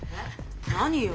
何よ？